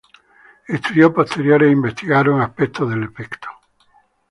Estudios posteriores investigaron aspectos del efecto.